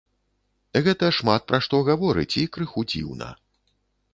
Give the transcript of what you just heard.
Гэта шмат пра што гаворыць і крыху дзіўна.